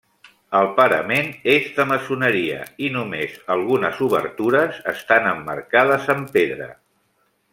El parament és de maçoneria i només algunes obertures estan emmarcades amb pedra.